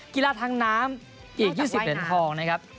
กีฬาทางน้ำอีก๒๐เหรียญทองนะครับ